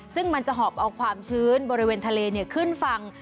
ซึ่งมันจะหอบเอาความชื้นบริเวณทะเลขึ้นฝั่ง